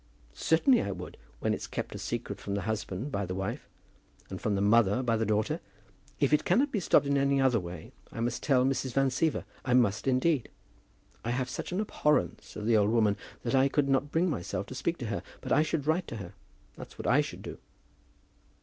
"Certainly I would when it's kept a secret from the husband by the wife, and from the mother by the daughter. If it cannot be stopped in any other way, I must tell Mrs. Van Siever; I must, indeed. I have such an abhorrence of the old woman, that I could not bring myself to speak to her, but I should write to her. That's what I should do."